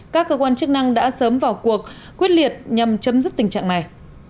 các cơ quan chức năng đã sớm vào cuộc quyết liệt nhằm chấm dứt tình trạng này